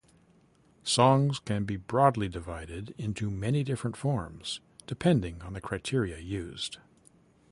Songs can be broadly divided into many different forms, depending on the criteria used.